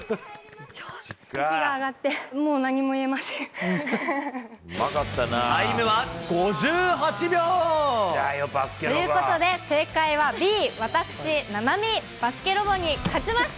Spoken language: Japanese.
息があがって、もう何も言えタイムは５８秒。ということで、正解はＢ、私、菜波、バスケロボに勝ちました。